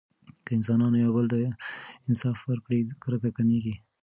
که انسانانو یو بل ته انصاف ورکړي، کرکه کمېږي.